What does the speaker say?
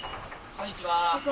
こんにちは。